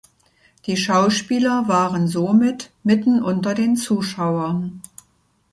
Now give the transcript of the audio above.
Die Schauspieler waren somit mitten unter den Zuschauern.